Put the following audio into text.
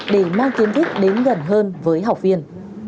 để mang kiến thức đến gần hơn với học viên